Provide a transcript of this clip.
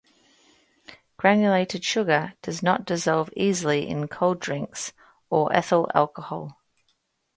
Granulated sugar does not dissolve easily in cold drinks or ethyl alcohol.